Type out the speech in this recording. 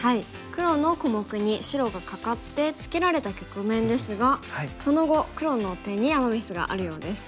黒の小目に白がカカってツケられた局面ですがその後黒の手にアマ・ミスがあるようです。